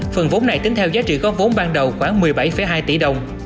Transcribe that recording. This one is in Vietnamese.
phần vốn này tính theo giá trị góp vốn ban đầu khoảng một mươi bảy hai tỷ đồng